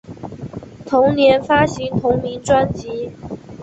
同年发行同名专辑。